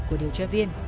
của điều tra viên